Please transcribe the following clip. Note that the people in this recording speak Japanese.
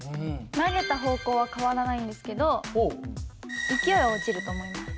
投げた方向は変わらないんですけど勢いは落ちると思います。